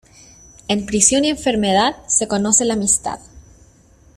En prisión y enfermedad, se conoce la amistad.